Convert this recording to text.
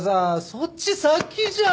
そっち先じゃん！